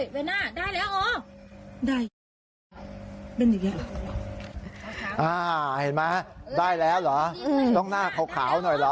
เห็นไหมได้แล้วเหรอต้องหน้าขาวหน่อยเหรอ